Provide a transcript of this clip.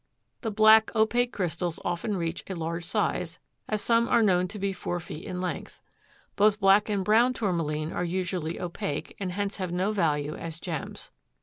The black opaque crystals often reach a large size, as some are known to be four feet in length. Both black and brown Tourmaline are usually opaque, and hence have no value as gems.